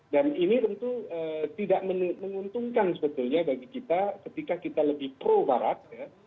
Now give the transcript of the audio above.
dan ini tentu tidak menguntungkan sebetulnya bagi kita ketika kita lebih pro barat